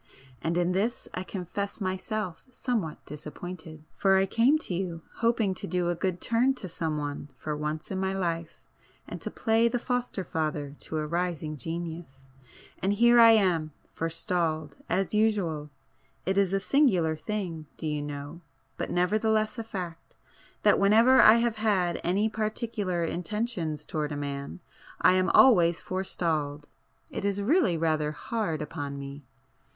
And in this I confess myself somewhat disappointed,—for I came to you hoping to do a good turn to some one for once in my life, and to play the foster father to a rising genius—and here I am—forestalled,—as usual! It is a singular thing, do you know, but nevertheless a fact, that whenever I have had any particular intentions towards a man I am always forestalled! It is really rather hard upon me!"